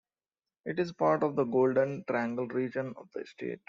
It is part of the Golden Triangle region of the state.